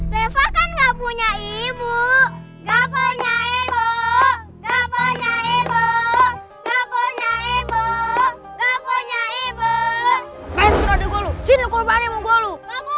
reva kan enggak punya ibu gak punya ibu gak punya ibu gak punya ibu gak punya ibu